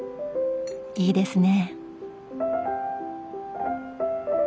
いいですね。